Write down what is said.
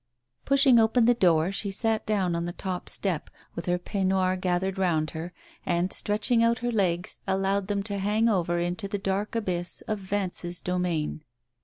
Pushing open the door, she sat down on the top step, with her peignoir gathered round her, and stretching out her legs allowed them to hang over into the dark abyss of Vance's domain.